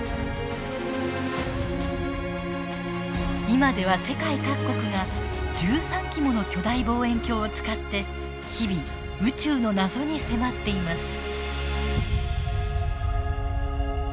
今では世界各国が１３基もの巨大望遠鏡を使って日々宇宙の謎に迫っています。